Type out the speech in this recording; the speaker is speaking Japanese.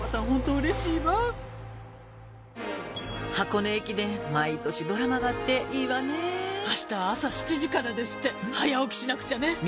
本当うれしいわ箱根駅伝毎年ドラマがあっていいわね明日朝７時からですって早起きしなくちゃね！